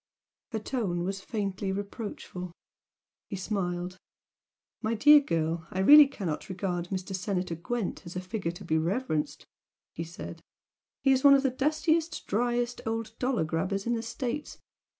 Her tone was faintly reproachful. He smiled. "My dear girl, I really cannot regard Mr. Senator Gwent as a figure to be reverenced!" he said "He's one of the dustiest, driest old dollar grabbers in the States.